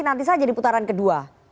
nanti saja di putaran kedua